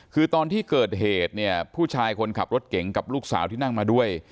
คือตอนที่เกิดเหตุเนี่ยผู้ชายคนขับรถเก่งกับลูกสาวที่นั่งมาด้วย